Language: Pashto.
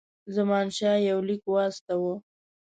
زمانشاه یو لیک واستاوه.